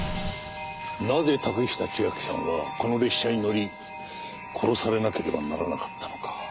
なぜ竹下千晶さんはこの列車に乗り殺されなければならなかったのか？